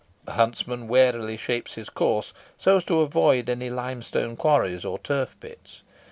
The huntsman warily shapes his course so as to avoid any limestone quarries or turf pits.